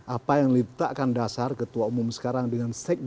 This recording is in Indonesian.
apa yang diletakkan dasar ketua umum sekarang dengan sekjen